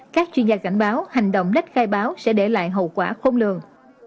các chuyên gia cảnh báo hành động lách khai báo sẽ để lại hậu quả không lường